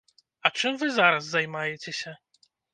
А чым вы зараз займаецеся?